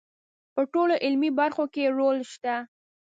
په ټولو علمي برخو کې یې رول شته.